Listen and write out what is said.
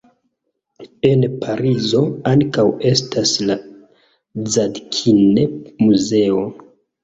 En Parizo ankaŭ estas la Zadkine-Muzeo.